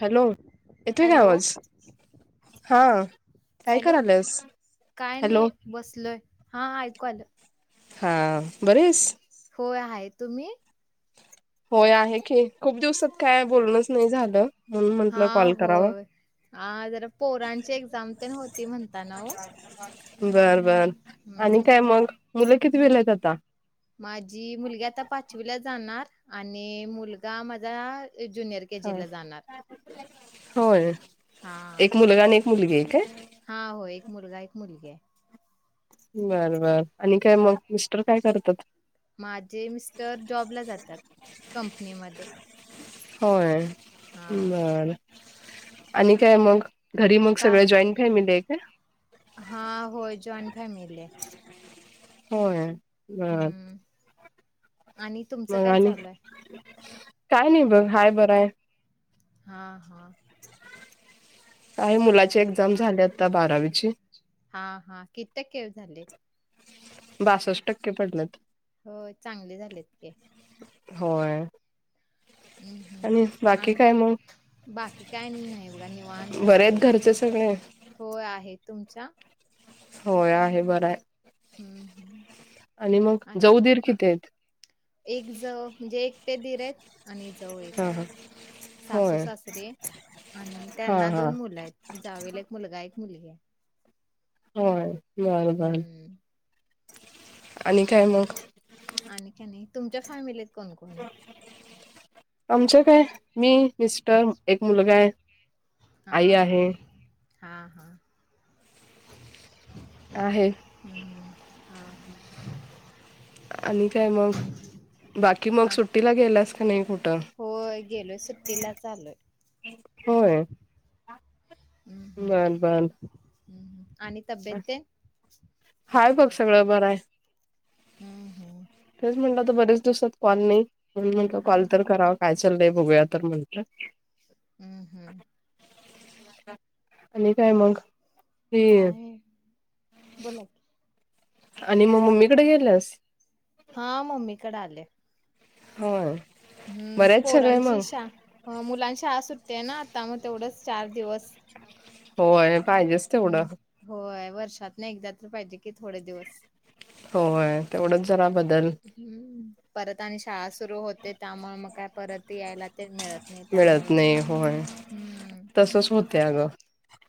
Hello येतोय का hello आवाज हा काय हॅलो करल्यास काय हॅलो नाही बसलोय हा ऐकू आलं हा बरीयस होय हाय तुम्ही होय आहे की खूप दिवसात काय बोलनच नाही झालं म्हणून हा म्हंटलं कॉल करावा होय हा जरा पोरांची एक्झाम तेन होती म्हणताना ओ बर बर आणि काय मग मुलं कितवीला हाईत आता माझी मुलगी आता पाचवीला जाणार आणि मुलगा माझा ज्युनियर के हा जी ला जाणार होय हा एक मुलगा आणि एक मुलगीय काय हा हो एक मुलगा एक मुलगीय बर बर आणि काय मग मिस्टर काय कर तत माझे मिस्टर जॉबला जातात कंपनीमध्ये होय हा हम बरं आणि काय मग घरी मग का सगळ जॉईंट फॅमिली हाय का फॅमिलीय होय बर हम्म आणि तुमचं मग काय आणी चालू आहे काय नाही बघ हाय बराय हा हा काय मुलाची एक्झाम झाल्या आता बारावीची हा हा किती टक्के झाले बासष्ट टक्के पडलेत हो चांगले झालेत की होय हम् आणि हम् बाकी काय मग आणि बाकी काय नाही बघा निवणत बरे आहेत सगळं घरचे सगळे हो आहेत तुमच्या होय आहे बर आहे हम्म हम्म आणि मग जाऊ दीर हा किती आहेत एक ज म्हणजे एक तेधीर आहेत आणि जाऊ एक हा आहे हा सासू होय सासरे आणि हा त्यांना हा दोन मुलं आहेत जावेला एक मुलगा आहे मुल आहे हो बर बर हम्म आणि काय मग आणि काी नाही तुमच्या फॅमिलीत कोण कोण आहे आमच काय मी मिस्टर एक मुलगा आहे आई हा हा आहे हा हा आहे ह ह आणि काय मग बाकी मग आ, सुट्टीला गेलास ख खठ होय गेलोय सुट्टीला चालूय होय हम्म हम्म बर बर हम्म आणि तब्येत ते हाय बघ सगळं बरं आहे हम्म हम्म. तेच म्हटलं आता बरेच दिवसात कॉल नाही. म्हणून म्हंटल हा कॉल तर करावा काय? चल बाई बघूया तर म्हटल - हम्म हम्म. आणि काय मग? ते आणि? बोला की - आणि मग मम्मीकडे गेल्यास- हा मम्मीकडे आले हा. हम्म पोरांची शा मुली- मुलांची शाळा सुटते ना? आता मग तेवढंच चार दिवस- होय. पाहिजेच तेवढं. वर्षातन एकदा तरी पाहिजेच कि थोडे दिवस- होय -तेवढंच जरा बदल- हम्म- परत आणि शाळा सुरु होते त्यामुळे मग काय परत- ते यायला- ते मिळत नाही मिळत त्यामुळं नाही होय, हम्म तसच होतय अगं,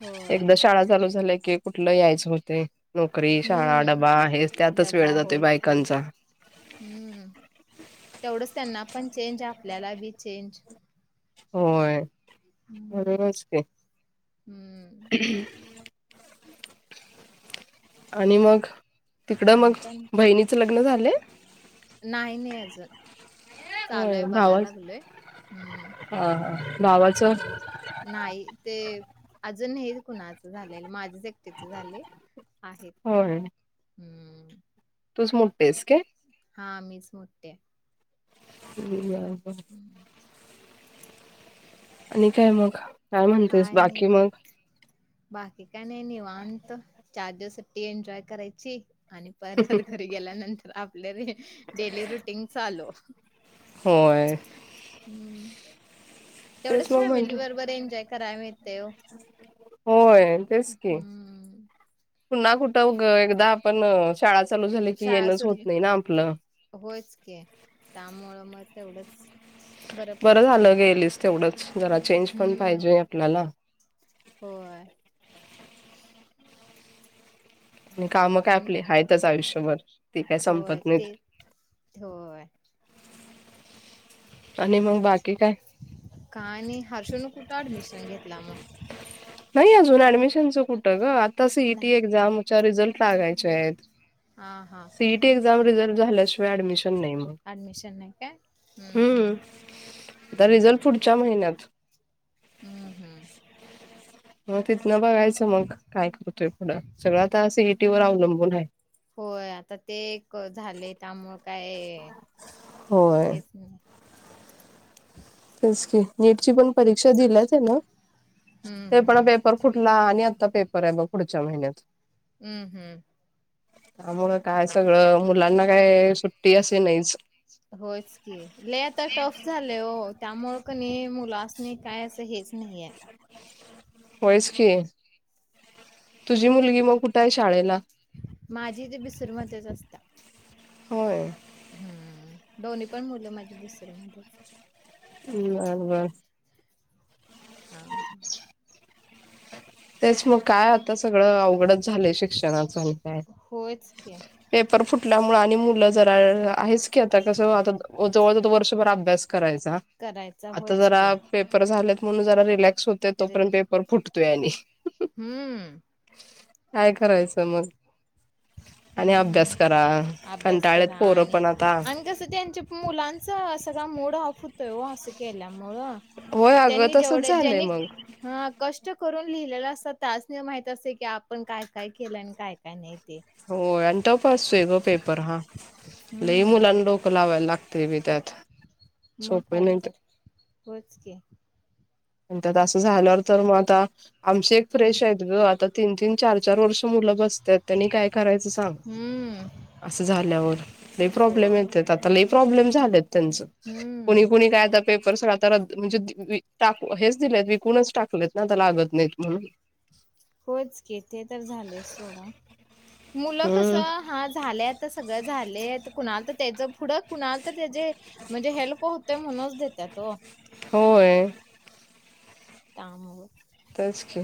होय एकदा शाळा चालू झाल्या की- कुठलं यायचं होतय? हम्म- वेळ डब्बा जातोय होयच ते बायकांचा हम्म- तेवढंच त्यांना- पण चेंज. आपल्याला बी चेंज. होय बरोबर च ते हम्म आणि मग? तिकडं मग आणि काय नाही. बहिणीचं लग्न झालंय नाही नाही अजून. चालूय होय बघाय भावाच लागलोय. हम् हा हा भावाचं -हम् नाही ते- अजून हे कुणाचं झालेल. माझच एकटीच झालय - होय. हम्म. तूच मोठ्ठीयेस काय? हा मीच मोठ्ठी ये. [unintelligible] ब [inaudible] आणि काय मग? म्हणतेस काय नाही. बाकी मग बाकी काय नाही निवांत. चार दिवस सुट्टी एन्जॉय करायची- आणि [unintelligible] घरी गेल्यानंतर आपल्या र डेली रुटीन चालू. होय. हम्म तेच तेवढंच मग फॅमिली म्हंटलं बरोबर एन्जॉय व्हय ते ओ होय तेच की. हम्म पुन्हा कुठं ग एकदा आपण शाळा चालू झाली की शाळा येणंच सुरू होत नाही ना आपलं होयच की त्यामुळे म तेवढंच बरं झालं गेलीस तेवढंच जरा चेंज पण हम्म पाहिजे आपल्याला. होय. आणि कामं काय आणि आपली आहेताच आयुष्यभर, ती काय होय संपत नाहीत. ते होय आणि मग बाकी काय काय नाही. हर्ष न कुठे ऍडमिशन घेतल मग? नाही अजून ऍडमिशनचं कुठं ग आता आता सी ई टी नाही एक्झामचे रिझल्ट लागायचे आहेत. हा हा C E T exam result झालंच ऍडमिशन नाही मग, ऍडमिशन नाही काय हम्म, आता हम्म रिझल्ट हम्म पुढच्या महिन्यात. हम्म हम्म. मग तिथन बघायचं मग काय करतोय पुढं सगळं आता सी ई टी वर अवलंबून आहे. होय आता ते एक झाले त्यामुळं काय होय हेच नाही [unintelligible] नीटची पण परीक्षा दिलय ती हम्म ते पण हम्म पेपर फुटला आणि आता पेप बरंय मग पुढच्या महिन्यात हम्म हम्म. त्यामुळ काय सगळं मुलांना काय सुट्टी असे नाहीच होयच की लय आता टफ झालंय ओ त्यामुळं कणी मुलासनी काय असं हेच नाहीये होयस की तुझी मुलगी मग कुठं आहे शाळेला? माझी ते बिसर मधेच असतात. होय. हम्म दोन्ही पण मुलं माझ्या बिसर मध्येच बर बर. हा. तेच मग काय होतं म सगळ अवघडच झालंय शिक्षणाच आणि काय होयच की पेपर फूट कल्यामुळे आणि मुलं जरा आहे की आता कसं आता जवळजवळ वर्षभर अभ्यास कराय करायचा आता होयच जरा की पेपर झा मनुजर इ ला होते करेल तोपर्यंत पेपर फुतो टु आणि हम्म काय करायचं मग आणि हम् अभ्यास करा अभ्यास कंटाळेत करा पोरं आणि पण आता आणि कसं त्यांच्या मुलांच सगळ मोड ऑफ होत तव अस केल्यामुळं होय अगं त्यांनी जेवढ तसच झालंय ज्यांनी मग हा कष्ट करून लिहिलेला असा त्यासनी माहीत असतंय की आपण काय काय केलं आणि काय काय नाही ते हो टप असतोय गं पेपर हा लय हम्म मुलांना डोकं लावायला लागत मी बी त्यात मग सोपे का नाही तर होय च की झाल्यावर तर मग आता आमशी एक फ्रेश आहे त ग आता तीन तीन चार चार वर्ष मुल बस त्या त्यांनी काय करायचं सांग हम्म असं झाल्यावर लय प्रॉब्लेम होय येत आता लय प्रॉब्लेम झालेत त्यांचं कुणी हम्म कुणी काय आता पेपरसता म्हणजे टाकू हेच दिलेत विकूनच टाकलेत ना त्या लागत नाहीत म्हणून होच किथे तर झाले सोडा मुलं कस हम्म. हा झाले आता सगळं झाले कुणाला तर त्याच पुढं कुणाला तर त्याचे म्हणजे हेल्प होते म्हणूनच देते तो होय तम त्याच के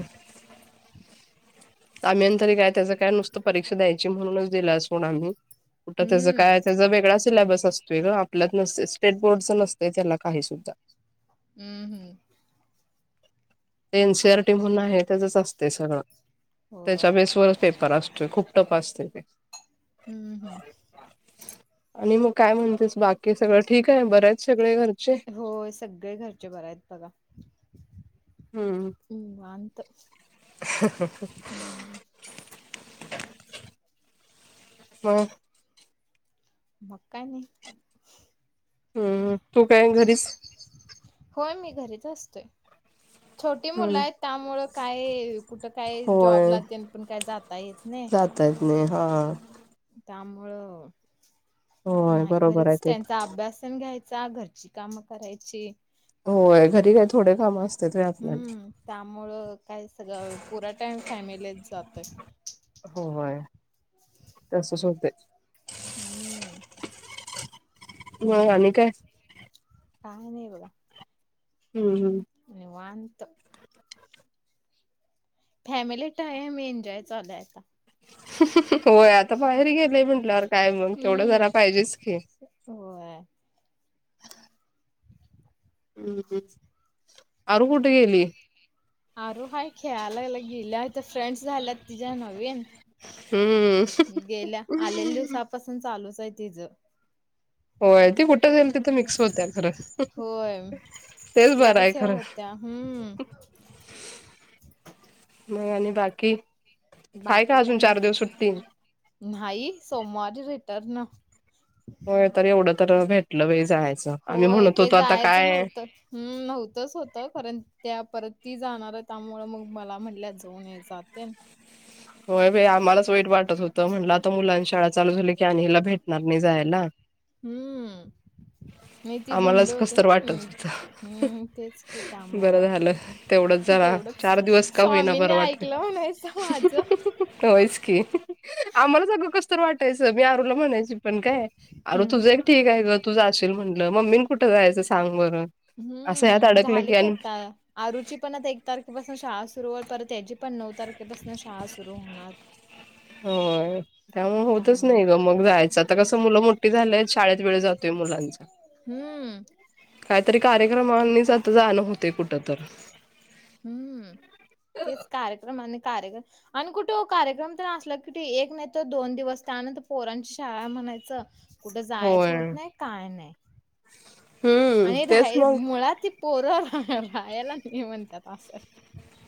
आम्हींतरी काय त्याचं काय नुसतं परीक्षा द्यायची म्हणूनच दिलं अस म्हण आम्ही कुठं त्याच हम्म. काय त्याचा वेगळा सिलेबस असतो वेगळं आपल्यात नस स्टेट बोर्डचं नसते त्याला काही सुद्धा हम्म हम्म ते एनसीआर टी म्हणून आहे त्याचंच असते सगळं त्याच्या होय बेसवरच पेपर असतोय खूप ्ट पासथ हम्म हम् हम्म आणि मग काय म्हणतेस बाकी सगळं ठीक आहे बर्याच सगळे घर हो सगळे घरचे बर आहेत बघा हम्म वांत ह्ह्हह्ह हम मकाय नाही हम्म तू काय घरीच होय मी घरीच असतोय छोटी मुलं हम्म आहेत त्यामुळं काय कुठं काय जॉब होय. लाते पण काय जाता येत नाही नेहा त्यामुळं होय नाही बरोबर आहे घरीच ते पण. त्यांचा अभ्यास तेन घ्यायचा चा घरची कामं करायची होय घरी काय थोडे काम अस हम्म त्यामुळं काय सगळं पुरा टाईम फॅमिलीला जातय होय तसच होते हम्म हा आणि काय काय नाही ब गा हम्म हम् [inaudible] फॅमिली टाईम एन्जॉय चालूयता ह्ह्ह्हह्ह होय आता बाहेर गेलंय म्हंटल्यावर काय मग तेवढं झारा हम्म. पाहिजेच की होय हम् अरु कुठे गेली अर हा खेळायलाला गेल्याथ फ्रेंड्स झाल्यात तिच्या नवीन हम्म गेल्या आलेल्या दिवसापासून चालूच तीज होय त कुठं जाईल तिथं मिक्स होत खरं होय तेच बरं आहे लगेच हे खरं होत्या हम्म मग आणि बाकी हाय का बाकी काय अजून नाही. चार दिवस सुट्टी नाही सोमवारी रिटर्न होय तर एवढं तर भेटलं जायच होय ते जायचं नव्हतं हम् नव्हतच होतं कारण त्या परत ती जाणार आहे त्यामुळ मग मला म्हटल्या जाऊन जाते हो आम्हालाच वाईट वाटत होतं म्हटलं आता मुलां शाळा चालू झाली की आणि हला भेटणार नाही जायला हम्म मी ती आम्हालाच बनली होती कसतर ना वाटत होतं. हम्म तेच कि त्यामुळं बरं झालं तेवढंच जरा तेवढंच चार दिवस स्वामीनी ऐकलं म्हणायचं माझं होच की आम्हाला सगळं कस तर वाटयचं मी आरूला म्हणायची पण काय अरे हम्म तुझं एक ठीक आहे ग तुझं असेल म्हण मम्मी न कुठं जायचं सांग बरं. असं ह्यात हम्म अडकलं झाले की आणि आता आरुची पण आता एक तारखेपासून शाळा सुरूवर परत त्याची पण नऊ तारखेपासून शाळा सुरू होणार हो त्यामुळे होतच नाही त्यामुळं ग मग जायचं आता कस मुलं मोठी झालंय शाळेत बिळेत जात ते मुलांचा. हम्म काहीतरी कार्यक्रमांनीच आता जाणं होते कुठं तर हम्म तेच कार्यक्रमाने कार्यक्र आणि कुठे कार्यक्रम तर असला कुठ एक नाही तरर दोन दिवस त्यानंतर पोरांची शाळा म्हणायचं कुठं जायच होय होत नाही काय नाही. हम्म आणि तेच राहाय मग मुळात ते पोर रा याला नाही म्हणतात असं.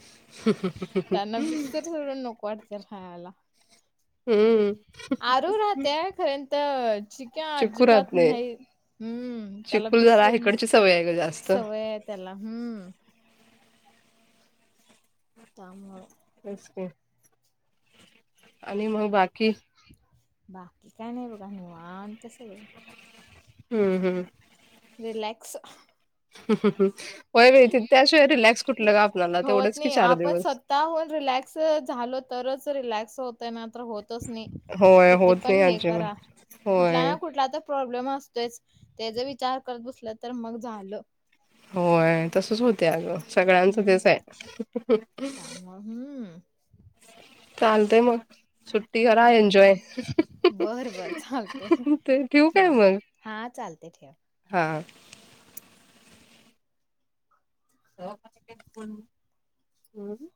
[unintelligible] या खायाला. हम्म आरू राहते खर [unintelligible] का चिकू अजिबात राहत नाही हम्म त्याला चिकूल जरा बिसून इकडची सवय आहे ग जास्त सवय आहे त्याला हम्म. त्यामुळ. तेच आणि मग बाकी बाकी काय नाही बघा निवाणत सगळं. हम्म हम्म. रिलेॅक्स हम्म हम्म हम्म. होत तेवढंच की नाही चार आपण दिवस स्वतहन रिलॅक्स झालो तरच रिलॅक्स होतय ना तर होतच नाही होय किती होत पण नाही हे करा अजिबात कुठला होय ना कुठला त प्रॉब्लेम असतोच त्याचा विचार करत बसल तर मग झालं. होय तसच होत आग सगळ्यांचं तेच आहे. त्याम हम्म. चालते मग सुट्टी करा हा एन्जॉय बर बर चालते ते ठेव काय हा मग हा चालते ठेवा. हा. हम्म.